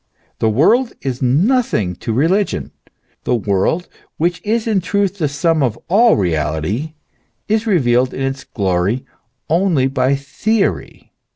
The world is nothing to religion,* the world, which is in truth the sum of all reality, is revealed in its glory only by theory.